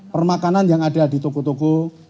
permakanan yang ada di toko toko